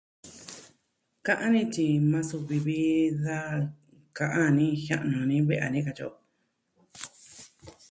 Ka'an ni tyi, maa suvi vi da. Ka'an ni jia'nu ni ve a ni katyi o.